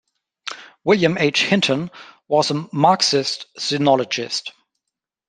William H. Hinton was a Marxist sinologist.